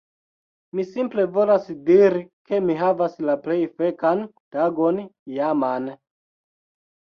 Mi simple volas diri ke mi havas la plej fekan tagon iaman.